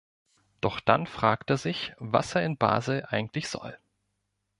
Doch dann fragt er sich, was er in Basel eigentlich soll.